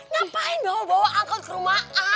ngapain bawa bawa angkot ke rumah